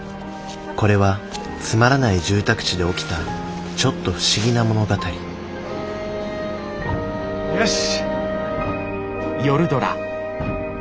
これはつまらない住宅地で起きたちょっと不思議な物語よし。